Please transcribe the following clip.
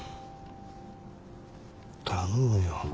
頼むよ。